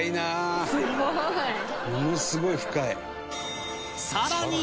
ものすごい深い。